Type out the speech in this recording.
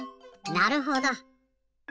なるほど。